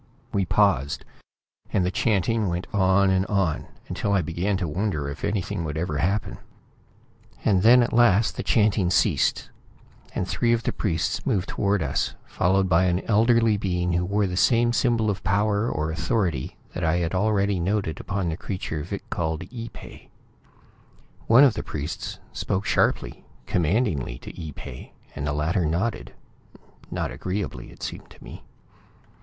We paused, and the chanting went on and on, until I began to wonder if anything would ever happen. And then, at last the chanting ceased, and three of the priests moved toward us, followed by an elderly being who wore the same symbol of power or authority that I had already noted upon the creature Vic called Ee pay. One of the priests spoke sharply, commandingly, to Ee pay, and the latter nodded not agreeably it seemed to me.